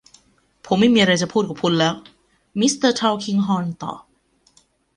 ผมไม่มีอะไรจะพูดกับคุณแล้ว มิสเตอร์ทัลคิงฮอร์นตอบ